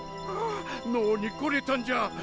ああ脳に来れたんじゃ。